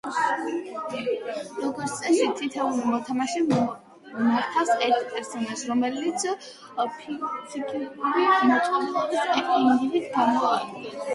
როგორც წესი, თითოეული მოთამაშე მართავს ერთ პერსონაჟს, რომელიც ფიქციური მოწყობის ერთ-ერთ ინდივიდს წარმოადგენს.